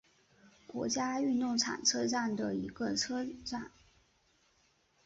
国家运动场车站里的一个车站。